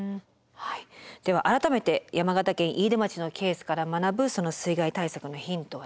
では改めて山形県飯豊町のケースから学ぶ水害対策のヒントは何でしょう。